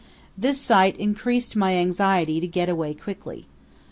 This sight increased my anxiety to get away quickly.